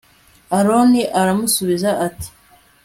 aroni aramusubiza ati